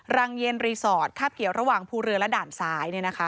รังเย็นรีสอร์ทคาบเกี่ยวระหว่างภูเรือและด่านซ้าย